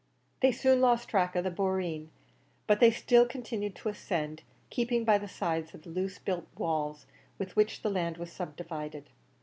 They soon lost the track of the boreen, but they still continued to ascend, keeping by the sides of the loose built walls with which the land was subdivided.